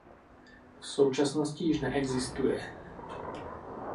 V současnosti již neexistuje.